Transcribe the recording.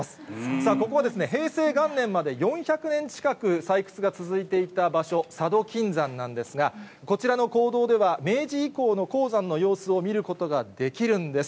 さあ、ここはですね、平成元年まで４００年近く、採掘が続いていた場所、佐渡金山なんですが、こちらの坑道では、明治以降の鉱山の様子を見ることができるんです。